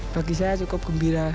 bagi saya cukup gembira